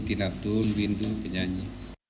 tinatun windu penyanyi